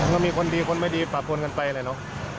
ก็มีคนดีคนไม่ดีปราบปนกันไปเลยเนอะ